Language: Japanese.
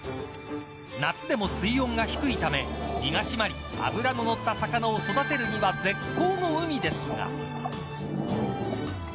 夏でも水温が低いため身が締まり脂の乗った魚を育てるには絶好の海ですが。